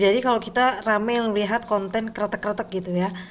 jadi kalau kita rame melihat konten kretek kretek gitu ya